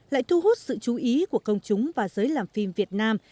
lại thu hút sự chú ý của công chúng và giới làm phim việt nam